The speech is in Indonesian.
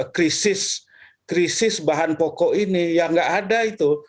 krisis krisis bahan pokok ini yang nggak ada itu